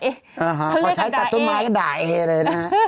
เออดากเอ่พอใช้กับตัดต้นไม้ก็ดากเอ่เลยนะ